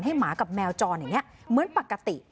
หมากับแมวจรอย่างนี้เหมือนปกติ